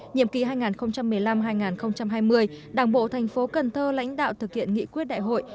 nhiệm kỳ hai nghìn một mươi năm hai nghìn hai mươi đảng bộ thành phố cần thơ lãnh đạo thực hiện nghị quyết đại hội